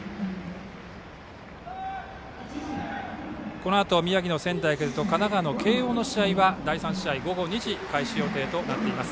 このあと宮城の仙台育英と神奈川の慶応の試合は第３試合、午後２時開始予定となっています。